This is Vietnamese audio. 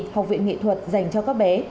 học viện nghệ thuật dành cho các bé